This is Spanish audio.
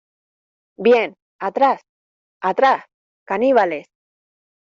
¡ Bien, atrás! ¡ atrás , caníbales !